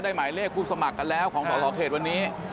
หมายเลขผู้สมัครกันแล้วของสสเขตวันนี้